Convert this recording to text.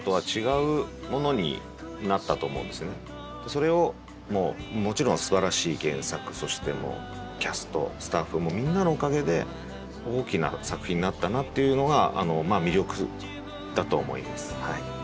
それをもちろんすばらしい原作そしてキャストスタッフもみんなのおかげで大きな作品になったなっていうのが魅力だと思います。